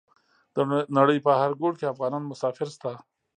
د نړۍ په هر ګوټ کې افغانان مسافر شته.